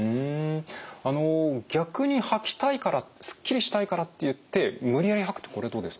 あの逆に吐きたいからすっきりしたいからっていって無理やり吐くってこれどうですか？